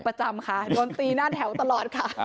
ประจำค่ะโดนตีหน้าแถวตลอดค่ะ